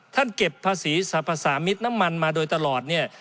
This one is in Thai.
เก็บภาษีสรรพสามิตรน้ำมันมาโดยตลอดเนี่ย